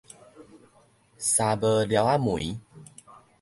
捎無寮仔門